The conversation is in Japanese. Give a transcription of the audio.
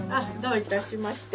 どういたしまして。